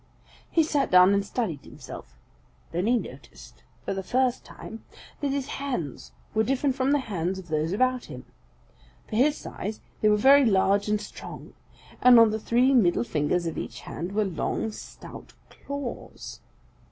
He sat down and studied himself. Then he noticed for the first time that his hands were different from the hands of those about him. For his size they were very large and strong, and on the three middle fingers of each hand were long, stout claws.